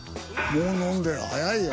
もう飲んでる早いよ。